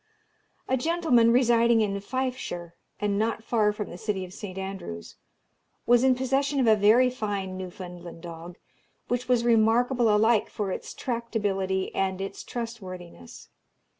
A gentleman residing in Fifeshire, and not far from the city of St. Andrews, was in possession of a very fine Newfoundland dog, which was remarkable alike for its tractability and its trustworthiness.